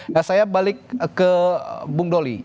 nah saya balik ke bung doli